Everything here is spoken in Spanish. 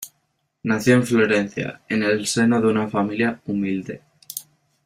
Nació en Florencia en el seno de una familia humilde.